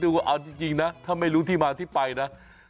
ซึ่งว่าเอาจริงนะถ้าไม่รู้ที่มาที่ไปนะ